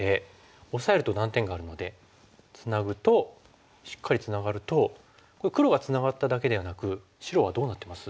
オサえると断点があるのでツナぐとしっかりツナがるとこれ黒がツナがっただけではなく白はどうなってます？